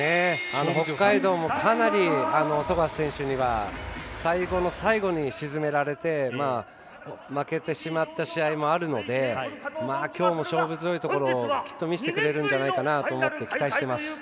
北海道もかなり富樫選手には最後の最後に沈められて負けてしまった試合もあるのできょうも勝負強いところをきっと見せてくれると思って期待してます。